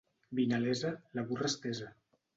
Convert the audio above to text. Vinalesa, la burra estesa.